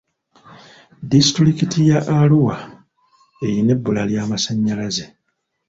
Disitulikiti y'Arua eyina ebbula ly'amasanyalaze.